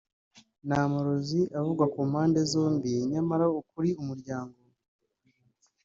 ni amarozi avugwa ku mpande zombi nyamara ukuri Umuryango